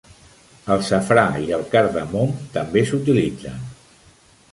El safrà i el cardamom també s'utilitzen.